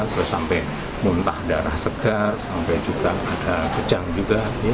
terus sampai muntah darah segar sampai juga ada kejang juga